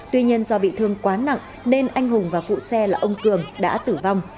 tuy nhiên do bị thương quá nặng nên anh hùng và phụ xe là ông cường đã tử vong